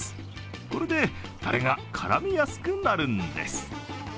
これで、たれが絡みやすくなるんです。